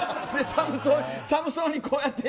寒そうにこうやって。